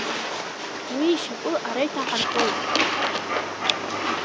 Уи ишьапы ара иҭаҳартәоит.